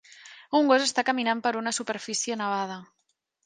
Un gos està caminant per una superfície nevada